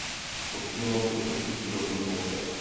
Odstěhoval se totiž do Humpolce.